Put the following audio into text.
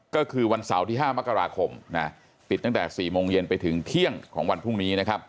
ก็คือวันเสาร์ที่๕มกราคมปิดตั้งแต่๔โมงเย็นไปถึงเที่ยงของวันพรุ่งนี้นะครับ